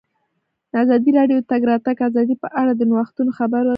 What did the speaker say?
ازادي راډیو د د تګ راتګ ازادي په اړه د نوښتونو خبر ورکړی.